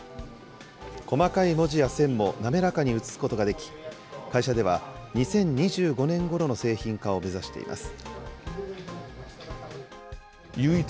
細かい文字や線も滑らかに映すことができ、会社では２０２５年ごろの製品化を目指しています。